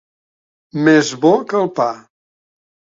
Més bo que el pa.